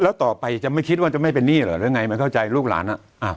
แล้วต่อไปจะไม่คิดว่าจะไม่เป็นหนี้เหรอหรือไงไม่เข้าใจลูกหลาน